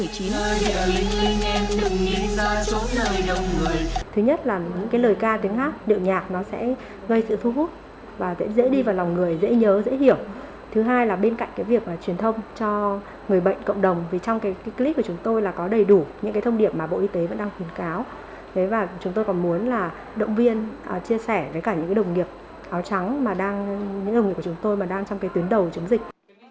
chúng tôi muốn động viên chia sẻ với cả những đồng nghiệp áo trắng những đồng nghiệp của chúng tôi đang trong tuyến đầu chống dịch